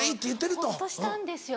ほっとしたんですよ